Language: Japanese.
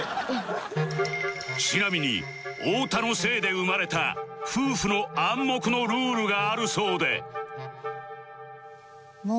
ちなみに太田のせいで生まれた夫婦の暗黙のルールがあるそうで